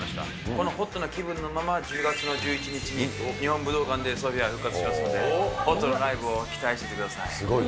このホットな気分のまま、１０月の１１日に日本武道館でＳＯＰＨＩＡ復活しますんで、ホットなライブを期待しててください。